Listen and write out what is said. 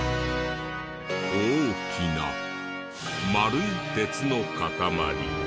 大きな丸い鉄の塊。